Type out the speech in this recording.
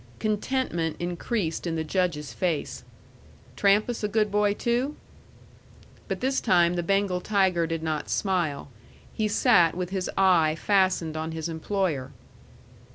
Contentment increased in the Judge's face. "Trampas a good boy too?" But this time the Bengal tiger did not smile. He sat with his eye fastened on his employer.